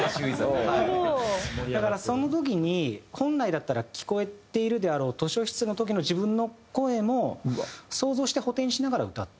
だからその時に本来だったら聞こえているであろう図書室の時の自分の声も想像して補填しながら歌ってる感じ。